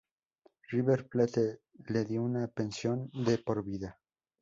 River Plate le dio una pensión de por vida.